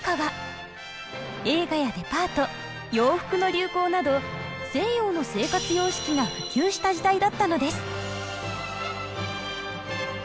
映画やデパート洋服の流行など西洋の生活様式が普及した時代だったのです。